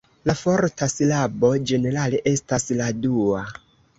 La forta silabo, ĝenerale estas la dua.